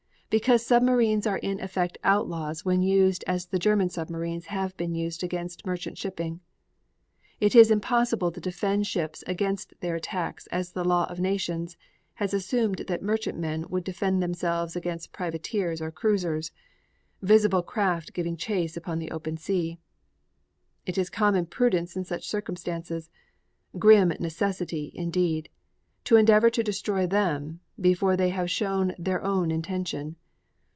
Because submarines are in effect outlaws when used as the German submarines have been used against merchant shipping, it is impossible to defend ships against their attacks as the law of nations has assumed that merchantmen would defend themselves against privateers or cruisers, visible craft giving chase upon the open sea. It is common prudence in such circumstances, grim necessity indeed, to endeavor to destroy them before they have shown their own intention.